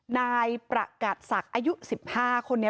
นายประกาศศักดิ์อายุ๑๕คนนี้